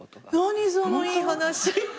何そのいい話。